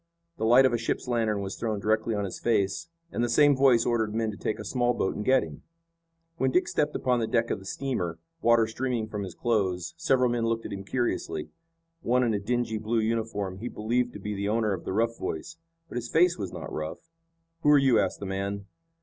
The light of a ship's lantern was thrown directly on his face, and the same voice ordered men to take a small boat and get him. When Dick stepped upon the deck of the steamer, water streaming from his clothes, several men looked at him curiously. One in a dingy blue uniform he believed to be the owner of the rough voice. But his face was not rough. "Who are you?" asked the man.